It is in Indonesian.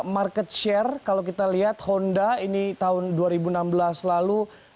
market share kalau kita lihat honda ini tahun dua ribu enam belas lalu